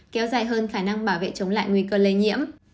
kéo dài hơn khả năng bảo vệ chống lại nguy cơ lây nhiễm